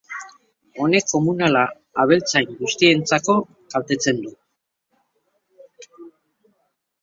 Honek komunala abeltzain guztientzako kaltetzen du.